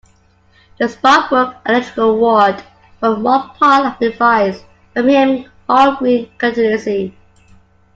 The Sparkbrook electoral ward formed one part of a revised Birmingham Hall Green constituency.